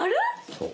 そう。